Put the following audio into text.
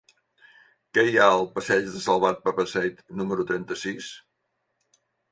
Què hi ha al passeig de Salvat Papasseit número trenta-sis?